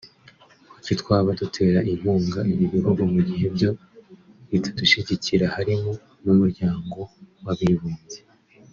Kuki twaba dutera inkunga ibi bihugu mu gihe byo bitadushyigikira (harimo n’Umuryango w’Abibumbye)